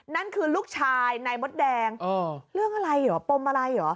นั่นคือลูกชายนายมดแดงเรื่องอะไรเหรอปมอะไรเหรอ